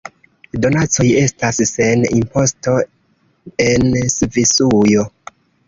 Donacoj estas sen imposto en Svisujo.